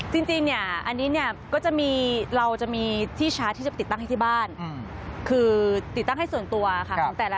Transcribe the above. จริงเนี่ยอันนี้เนี่ยก็จะมีเราจะมีที่ชาร์จที่จะไปติดตั้งให้ที่บ้านคือติดตั้งให้ส่วนตัวค่ะของแต่ละ